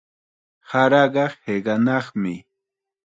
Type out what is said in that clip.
Saraqa hiqanaqmi.